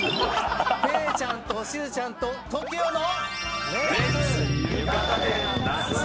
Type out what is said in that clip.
「ぺーちゃんとしずちゃんとＴＯＫＩＯの」